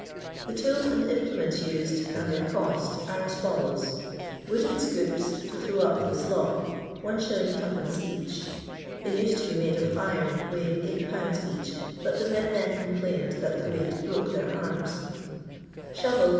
The tools and implements used, and their cost, are as follows :— ^wooden scoops, to throw up the slop. Is. 2d. each (they used to be made of iron, weighing 8 lbs. each, but the men then complained that the weight broke their arms "); shovel, 2s.